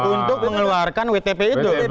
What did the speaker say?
untuk mengeluarkan wtp itu